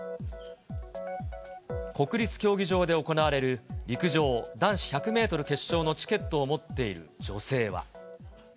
国立競技場で行われる、陸上男子１００メートル決勝のチケットを持っている女性は。